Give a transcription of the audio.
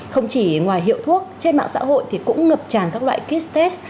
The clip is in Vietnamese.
không chỉ ngoài hiệu thuốc trên mạng xã hội thì cũng ngập tràn các loại kit test